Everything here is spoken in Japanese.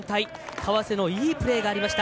川瀬のいいプレーが光りました。